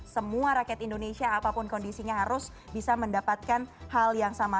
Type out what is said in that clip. semua rakyat indonesia apapun kondisinya harus bisa mendapatkan hal yang sama